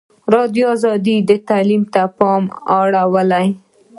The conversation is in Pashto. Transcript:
ازادي راډیو د تعلیم ته پام اړولی.